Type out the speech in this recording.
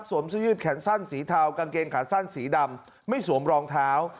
เสื้อยืดแขนสั้นสีเทากางเกงขาสั้นสีดำไม่สวมรองเท้า